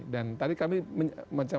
dan tadi kami macam